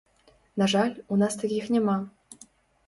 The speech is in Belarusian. На жаль, у нас такіх няма.